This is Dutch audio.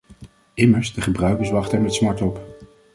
Immers, de gebruikers wachten er met smart op.